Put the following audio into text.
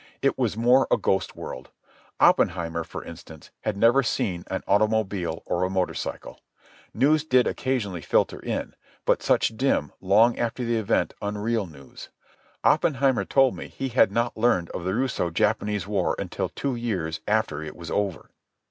It was more a ghost world. Oppenheimer, for instance, had never seen an automobile or a motor cycle. News did occasionally filter in—but such dim, long after the event, unreal news. Oppenheimer told me he had not learned of the Russo Japanese war until two years after it was over.